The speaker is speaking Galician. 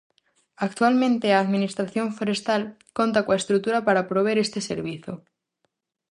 Actualmente, a administración forestal conta coa estrutura para prover este servizo.